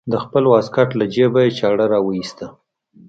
د خپل واسکټ له جيبه يې چاړه راوايسته.